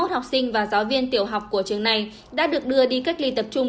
một trăm ba mươi một học sinh và giáo viên tiểu học của trường này đã được đưa đi cách ly tập trung